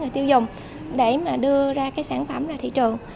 người tiêu dùng để mà đưa ra cái sản phẩm ra thị trường